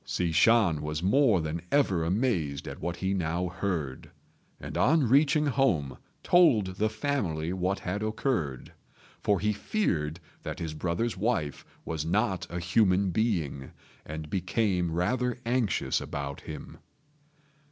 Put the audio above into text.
Hsi Shan was more than ever amazed at what he now heard, and on reaching home told the family what had occurred; for he feared that his brother's wife was not a human being, and became rather anxious about him.